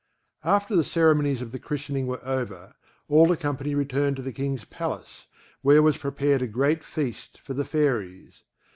After the ceremonies of the christening were over, all the company returned to the King's palace, where was prepared a great feast for the Fairies.